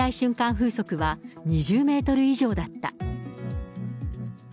風速は２０メートル以上だった。